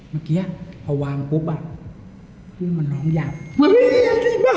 เมื่อกี้พอวางปุ๊บรู้เหมือนมันน้องยำ